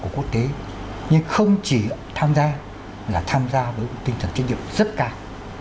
của quốc gia thực tế nhưng không chỉ tham gia là tham gia với một tinh thần trách nhiệm rất cao